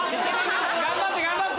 頑張って頑張って！